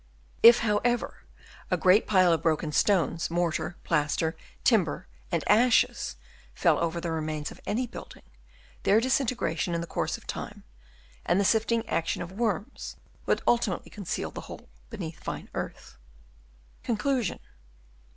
If, however, a great pile of broken stones, mortar, plaster, timber and ashes fell over the remains of any building, their disintegration in the course of time, and the sifting action of worms, would ultimately conceal the whole beneath fine earth. Conclusion.